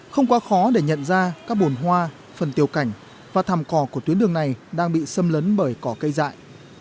không quá khó để nhận ra các bồn hoa phần tiêu cảnh và thàm cỏ của tuyến đường này đang bị xâm lấn bởi cỏ cây dại